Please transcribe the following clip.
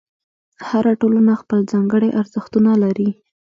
هره ټولنه خپل ځانګړي ارزښتونه لري.